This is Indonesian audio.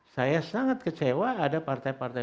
saya sangat kecewa ada partai partai